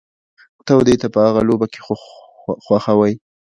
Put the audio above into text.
ته او دی په هغه لوبه کي خو خوئ.